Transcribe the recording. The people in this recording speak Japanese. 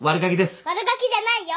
悪ガキじゃないよ。